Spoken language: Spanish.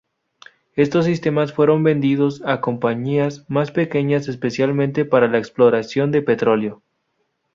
Estos sistemas fueron vendidos a compañías más pequeñas, especialmente para la exploración de petróleo.